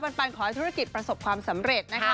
ปันขอให้ธุรกิจประสบความสำเร็จนะคะ